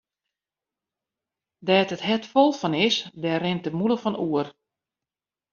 Dêr't it hert fol fan is, dêr rint de mûle fan oer.